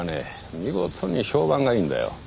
見事に評判がいいんだよ